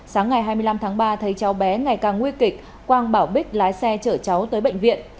sáng ngày hai mươi năm tháng ba thấy cháu bé ngày càng nguy kịch quang bảo bích lái xe chở cháu tới bệnh viện